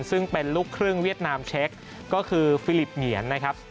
ซึ่งเป็นลูกครึ่งเวียดนามเช็คก็คือฟิลิปเหงียนนะครับ